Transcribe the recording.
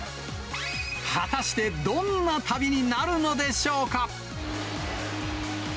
果たしてどんな旅になるのでしょうか。